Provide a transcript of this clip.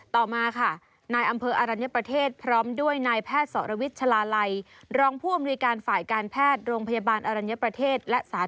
ต่อมาค่ะนายอำเภออรัญยประเทศ